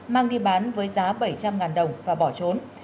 mang đi bán với giá bảy trăm linh đồng và bỏ trốn